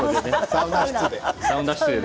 サウナ室で。